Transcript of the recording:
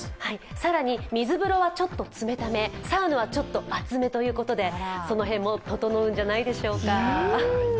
更に水風呂はちょっと冷ため、サウナはちょっと熱めということでその辺も、ととのうんじゃないでしょうか。